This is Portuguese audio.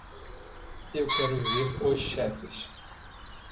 Eu quero ver os chefes.